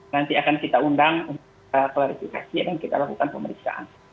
nanti akan kita undang untuk klarifikasi dan kita lakukan pemeriksaan